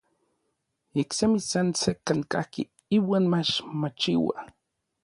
Iksemi san sekkan kajki iuan mach machiua.